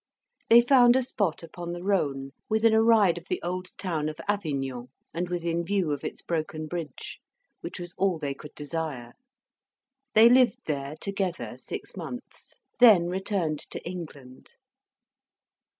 They found a spot upon the Rhone, within a ride of the old town of Avignon, and within view of its broken bridge, which was all they could desire; they lived there, together, six months; then returned to England.